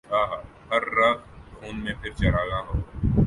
ہر رگ خوں میں پھر چراغاں ہو